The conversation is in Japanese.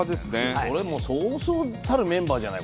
それもそうそうたるメンバーじゃないこれ。